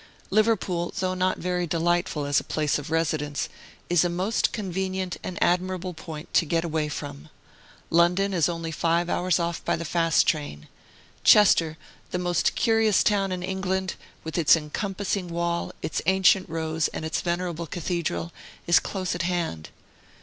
Liverpool, though not very delightful as a place of residence, is a most convenient and admirable point to get away from. London is only five hours off by the fast train. Chester, the most curious town in England, with its encompassing wall, its ancient rows, and its venerable cathedral, is close at hand.